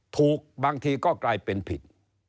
บางทีก็กลายเป็นผิด